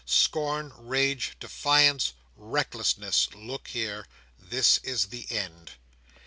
Scorn, rage, defiance, recklessness, look here! This is the end.